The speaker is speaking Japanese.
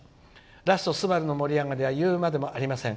ラスト「昴」の盛り上がりは言うまでもありません。